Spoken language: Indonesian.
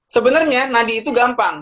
sebenernya nadi itu gampang